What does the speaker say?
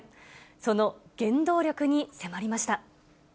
その原動力に迫りました。